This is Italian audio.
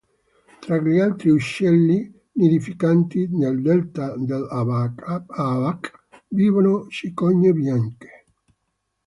Tra gli altri uccelli nidificanti, nel delta dell'Aabach vivono cicogne bianche.